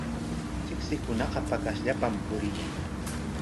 Tsiktsikunaqa paqasllapam puriyan.